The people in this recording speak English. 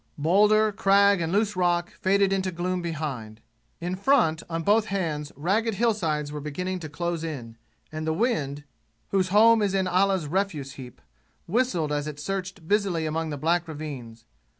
Boulder, crag and loose rock faded into gloom behind; in front on both hands ragged hillsides were beginning to close in; and the wind, whose home is in Allah's refuse heap, whistled as it searched busily among the black ravines.